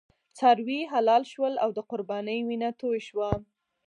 څاروي حلال شول او د قربانۍ وینه توی شوه.